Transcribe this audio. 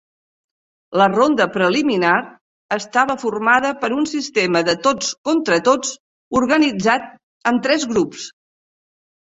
La ronda preliminar estava formada per un sistema de tots contra tots organitzat en tres grups.